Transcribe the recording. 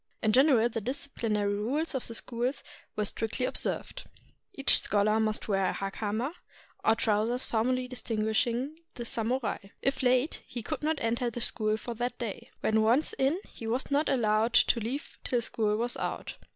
In general the disciplinary rules of the schools were strictly observed. Each scholar must wear the hakama, or trousers formerly distinguishing the samurai. If late, he could not enter the school for that day. When once in, he was not allowed to leave till school was out.